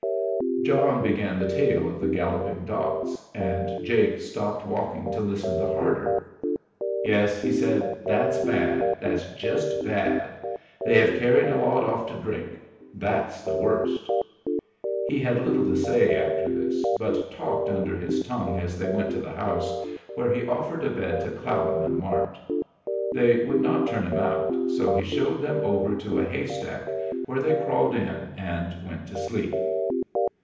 John began the tale of the galloping dots, and Jake stopped walking to listen the harder. "Yes," he said; "that's bad. That's jest bad. They hev carried a lot off to drink. That's the worst." He had little to say after this, but talked under his tongue as they went to the house, where he offered a bed to Clallam and Mart. They would not turn him out, so he showed them over to a haystack, where they crawled in and went to sleep.